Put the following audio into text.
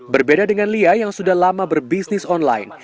berbeda dengan lia yang sudah lama berbisnis online